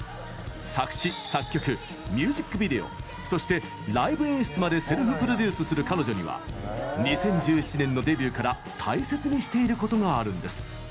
作詞・作曲、ミュージックビデオそして、ライブ演出までセルフプロデュースする彼女には２０１７年のデビューから大切にしていることがあるんです。